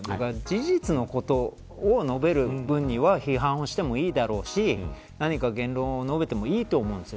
事実のことを述べる分には批判をしてもいいだろうし何か言論を述べてもいいと思うんですよ。